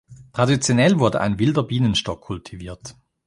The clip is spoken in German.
Traditionell wurde ein wilder Bienenstock kultiviert.